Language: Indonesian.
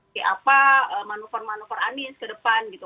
kayak apa manuver manuver anies ke depan gitu